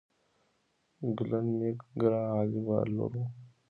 ګلن میک ګرا عالي بالر وو.